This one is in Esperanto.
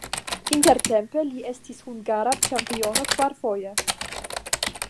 Intertempe li estis hungara ĉampiono kvarfoje.